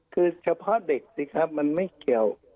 คือเฉพาะเด็กสิครับมันไม่เกี่ยว